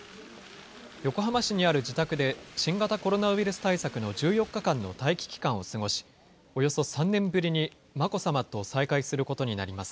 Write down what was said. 横浜市にある自宅で、新型コロナウイルス対策の１４日間の待機期間を過ごし、およそ３年ぶりに眞子さまと再会することになります。